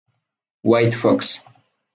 White Fox